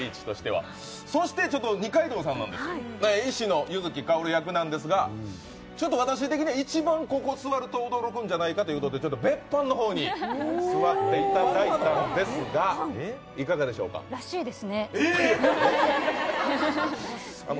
そして二階堂さんなんですが、医師の柚木薫役なんですがちょっと私的には、ちょっとここに座ると驚くんじゃないかということで別班の方に座っていただいたんですがらしいですね。